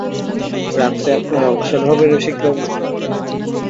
রাত্রে আপনার অবসর হবে রসিকবাবু?